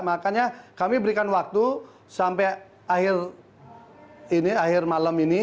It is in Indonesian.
makanya kami berikan waktu sampai akhir ini akhir malam ini